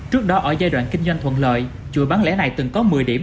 trước đó ở giai đoạn kinh doanh thuận lợi chuỗi bán lẻ này từng có một mươi điểm